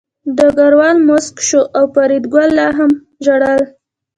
ډګروال موسک شو او فریدګل لا هم ژړل